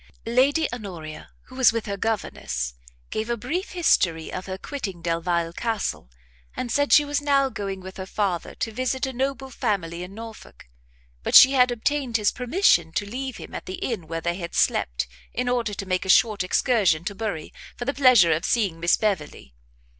Lady Honoria, who was with her governess, gave a brief history of her quitting Delvile Castle, and said she was now going with her father to visit a noble family in Norfolk; but she had obtained his permission to leave him at the inn where they had slept, in order to make a short excursion to Bury, for the pleasure of seeing Miss Beverley.